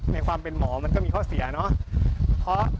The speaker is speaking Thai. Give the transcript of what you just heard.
ในความเป็นหมอมันก็มีข้อเสียเนาะ